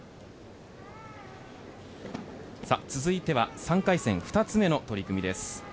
続いては３回戦２つ目の取組です。